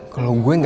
kalau lo jalaninnya